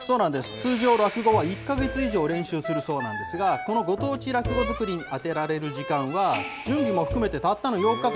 通常、落語は１か月以上練習するそうなんですが、このご当地落語づくりに充てられる時間は、準備も含めてたったの４日間。